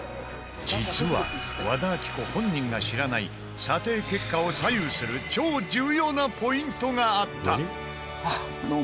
実は和田アキ子本人が知らない査定結果を左右する超重要なポイントがあった和田：